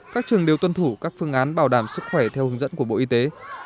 các trường đều tuân thủ các phương án bảo đảm sức khỏe theo hướng dẫn của bộ y tế